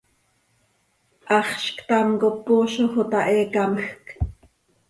¡Haxz ctam cop poozoj oo ta, he camjc!